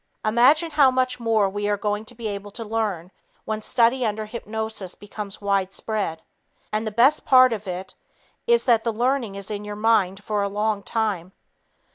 Imagine how much more we are going to be able to learn when study under hypnosis becomes widespread. And the best part of it is that the learning is in your mind for a long time.